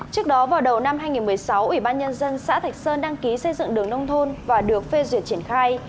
trước đó vào đầu năm hai nghìn một mươi sáu ủy ban nhân dân xã thạch sơn đăng ký xây dựng đường nông thôn và được phê duyệt triển khai